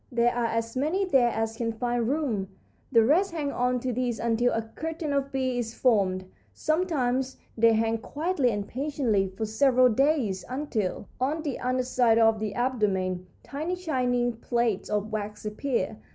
There are as many there as can find room; the rest hang on to these until a curtain of bees is formed. Sometimes they hang quietly and patiently for several days until, on the under side of the abdomen, tiny shining plates of wax appear.